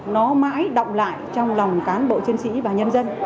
nó mãi động lại trong lòng cán bộ chiến sĩ và nhân dân